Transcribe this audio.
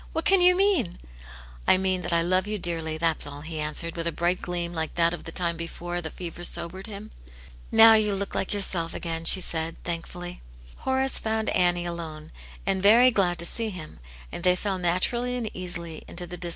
" What can you mean }" I mean that I love you dearly, that's all," he an swered, with a bright gleam like that of the time before the fever sobered him. "Now you look like yourself again," she said, thankfully. Horace found Annie alone, and very glad to sec him, and they fell naturally and easily into tUe. d\s.